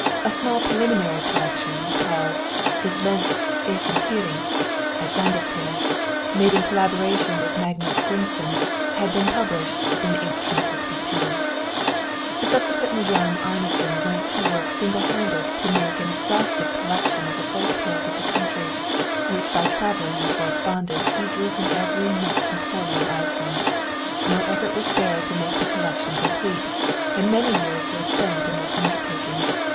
A small preliminary collection, called 'Islenzk Æfintyri' (Icelandic Tales), made in collaboration with Magnus Grimsson, had been published in 1852. Subsequently, Jón Arnason went to work single handed to make an exhaustive collection of the folk tales of the country, which by traveling and correspondence he drew from every nook and corner of Iceland. No effort was spared to make the collection complete, and many years were spent in this undertaking.